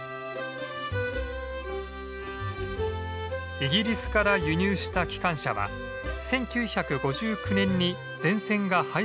イギリスから輸入した機関車は１９５９年に全線が廃止されるまで活躍。